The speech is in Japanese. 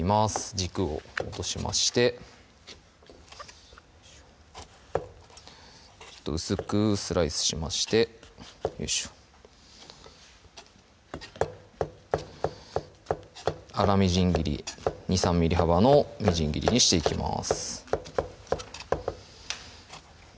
軸を落としまして薄くスライスしましてよいしょ粗みじん切り２３ｍｍ幅のみじん切りにしていきます